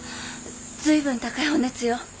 随分高いお熱よ。